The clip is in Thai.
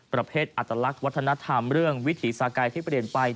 ประเภทอัตลักษณ์วัฒนธรรมเรื่องวิถีสากายที่เปลี่ยนไป